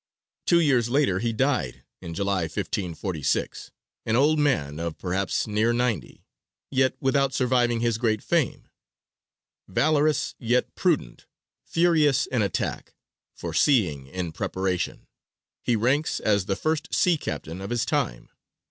Two years later he died, in July, 1546, an old man of perhaps near ninety, yet without surviving his great fame. "Valorous yet prudent, furious in attack, foreseeing in preparation," he ranks as the first sea captain of his time.